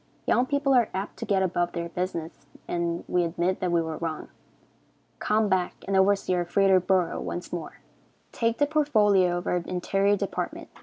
Young people are apt to get above their business, and we admit that we were wrong. Come back and oversee our fritter bureau once more. Take the portfolio of our interior department.